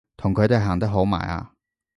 同佢哋行得好埋啊！